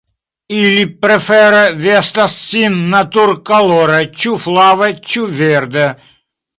Ili prefere vestas sin natur-kolore, ĉu flave, ĉu verde.